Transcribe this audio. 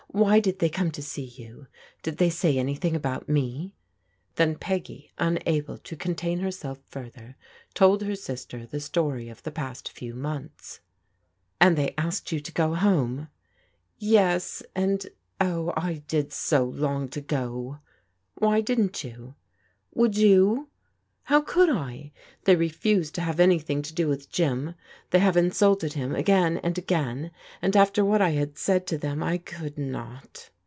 "Why did they come to see you ? Did they say anything about me?" Then Peggy, unable to contain herself further, told sister the story oi the pa^sx. i«w tooojOcl^* ELEANOR VISITS PEGGY 307 And they asked you to go home? Yes, and oh, I did so long to go !"«« 1171.,. AlA^U „^« 7 »f Why didn't you? Would you ? How could I ? They refused to have an3rthing to do with Jim. They have insulted him again and again, and after what I had said to them, I coidd not."